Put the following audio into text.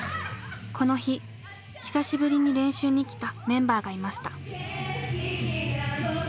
この日久しぶりに練習に来たメンバーがいました。